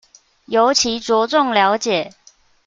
尤其著重了解